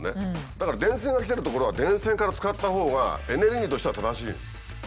だから電線が来てる所は電線から使ったほうがエネルギーとしては正しいの。